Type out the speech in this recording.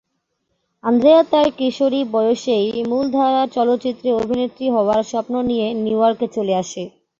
Andrea তার কিশোরী বয়সেই মূলধারার চলচ্চিত্রে অভিনেত্রী হওয়ার স্বপ্ন নিয়ে নিউইয়র্কে চলে আসে।